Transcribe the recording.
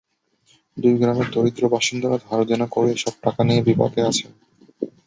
দুই গ্রামের দরিদ্র বাসিন্দারা ধারদেনা করে এসব টাকা দিয়ে বিপাকে পড়েছেন।